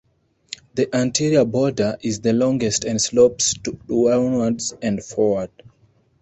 The "anterior border" is the longest and slopes downward and forward.